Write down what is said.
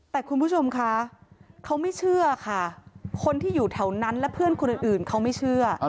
แต่คุณผู้ชมคะเขาไม่เชื่อค่ะคนที่อยู่แถวนั้นและเพื่อนคนอื่นเขาไม่เชื่อ